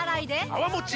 泡もち